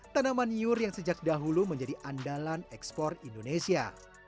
tanaman nyur yang sejak dahulu menjadi andalan ekspor indonesia